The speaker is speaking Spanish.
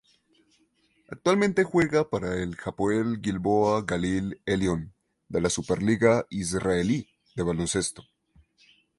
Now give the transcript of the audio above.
Actualmente juega para el Hapoel Gilboa Galil Elyon de la superliga israelí de baloncesto.